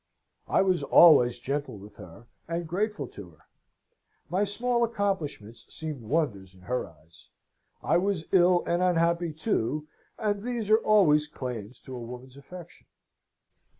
I was always gentle with her, and grateful to her. My small accomplishments seemed wonders in her eyes; I was ill and unhappy, too, and these are always claims to a woman's affection.